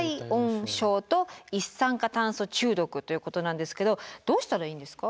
ということなんですけどどうしたらいいんですか？